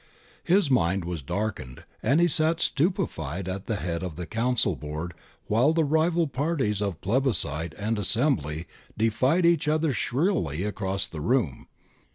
His mind was darkened and he sat stupeOed at the head of the council board while the rival parties of plebiscite and assembly defied each other shrilly across the room.